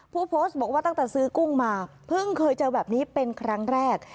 ผู้โพสต์บอกว่าตั้งแต่ซื้อกุ้งมาเพิ่งเคยเจอแบบนี้เป็นครั้งแรก